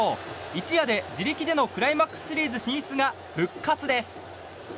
一夜で自力でのクライマックスシリーズ進出が復活です。